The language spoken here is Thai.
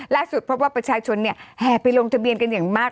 ล่าสุดเพราะว่าประชาชนเนี่ยแห่ไปลงทะเบียนกันอย่างมาก